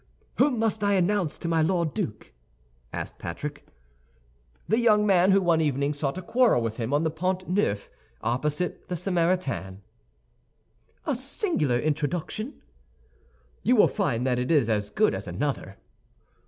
"Whom must I announce to my Lord Duke?" asked Patrick. "The young man who one evening sought a quarrel with him on the Pont Neuf, opposite the Samaritaine." "A singular introduction!" "You will find that it is as good as another."